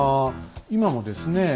今もですね